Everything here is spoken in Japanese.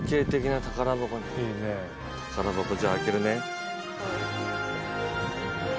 宝箱じゃあ開けるね。